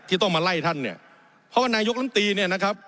ต้องมาไล่ท่านเนี่ยเพราะว่านายกลำตีเนี่ยนะครับ